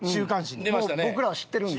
僕らは知ってるんで。